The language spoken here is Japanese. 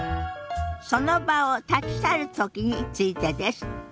その場を立ち去るときについてです。